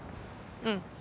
うん。